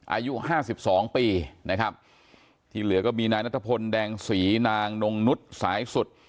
อายุห้าสิบสองปีนะครับที่เหลือก็มีนายนัทพลแดงศรีนางนงนุษย์สายสุด